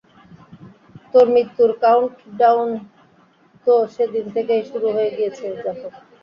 তোর মৃত্যুর কাউন্ট-ডাউন তো সেদিন থেকেই শুরু হয়ে গিয়েছে, জাফর।